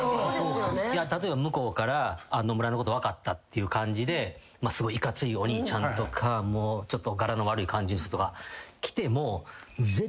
例えば向こうから野村のこと分かったっていう感じでいかついお兄ちゃんとか柄の悪い感じの人が来ても。え！